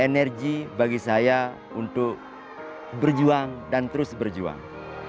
energi bagi saya untuk berjuang dan terus berjuang